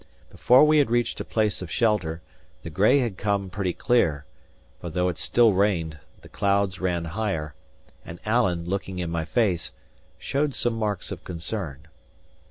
Before we had reached a place of shelter, the grey had come pretty clear, for though it still rained, the clouds ran higher; and Alan, looking in my face, showed some marks of concern.